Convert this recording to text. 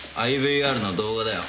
ＩＶＲの動画だよ。